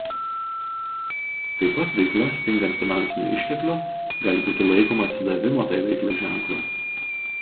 Taip pat veikla stingant finansinių išteklių gali būti laikoma atsidavimo tai veiklai ženklu.